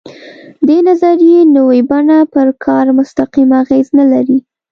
د دې نظریې نوې بڼه پر کار مستقیم اغېز نه لري.